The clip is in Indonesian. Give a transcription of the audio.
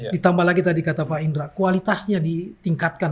ditambah lagi tadi kata pak indra kualitasnya ditingkatkan